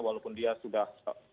walaupun dia sudah